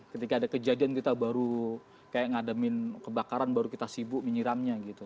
ketika ada kejadian kita baru kayak ngademin kebakaran baru kita sibuk menyiramnya gitu